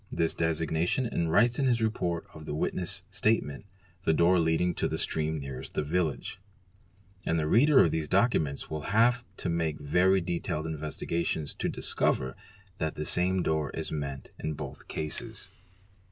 452 DRAWING AND ALLIED ARTS designation and writes in the report of the witness' statement " the doo 7 leading to the stream nearest the village'': and the reader of these documents will have to make very detailed investigations to discover that the same door is meant in both cases.